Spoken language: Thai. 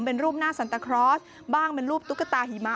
เป็นรูปหน้าสันตะครอสบ้างเป็นรูปตุ๊กตาหิมะ